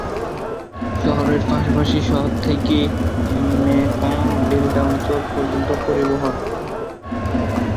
শহরের পাশাপাশি শহর থেকে মেকং ডেল্টা অঞ্চল পর্যন্ত পরিবহন।